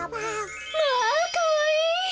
まあかわいい！